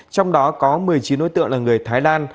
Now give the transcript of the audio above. trong đó có một mươi chín đối tượng là người thái lan